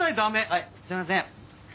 はいすいません。